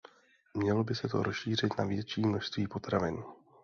Mělo by se to rozšířit na větší množství potravin.